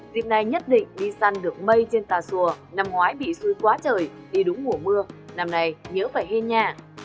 dịp này nhất định đi săn đường mây trên tà xùa năm ngoái bị xuôi quá trời đi đúng mùa mưa năm nay nhớ phải hên nha